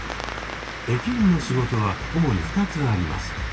駅員の仕事は主に２つあります。